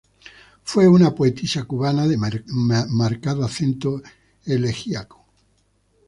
Fue una poetisa cubana de marcado acento elegíaco.